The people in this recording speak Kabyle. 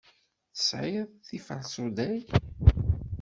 Tesɛid tiferṣuday?